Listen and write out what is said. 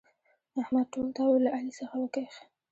احمد ټول تاو له علي څخه وکيښ.